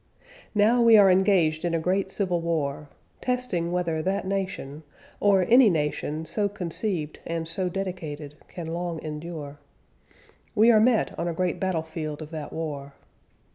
Now we are engaged in a great civil war. . .testing whether that nation, or any nation so conceived and so dedicated. .. can long endure. We are met on a great battlefield of that war.